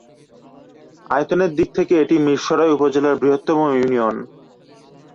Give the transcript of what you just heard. আয়তনের দিক থেকে এটি মীরসরাই উপজেলার বৃহত্তম ইউনিয়ন।